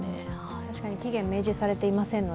確かに期限が明示されていませんので、